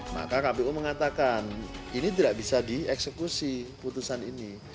maka kpu mengatakan ini tidak bisa dieksekusi putusan ini